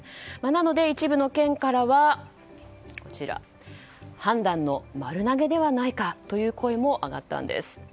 なので、一部の県からは判断の丸投げではないかという声も上がったんです。